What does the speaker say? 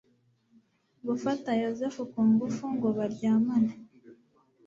gufata yozefu ku ngufu ngo baryamane